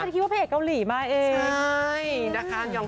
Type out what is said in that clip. คิดว่าเพศเกาหลีมาเอง